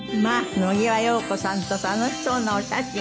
野際陽子さんと楽しそうなお写真。